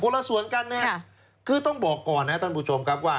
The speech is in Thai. ละส่วนกันนะครับคือต้องบอกก่อนนะท่านผู้ชมครับว่า